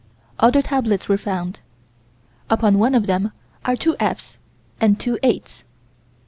Other tablets were found. Upon one of them are two "F's" and two "8's."